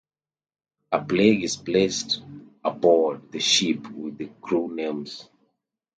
A plaque is placed aboard the ship with the crew names.